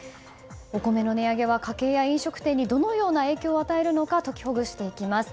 お米の値上げは家計や飲食店にどのような影響を与えるのか解きほぐしていきます。